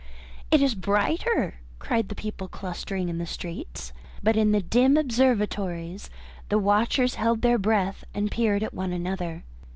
"It is brighter!" cried the people clustering in the streets. But in the dim observatories the watchers held their breath and peered at one another.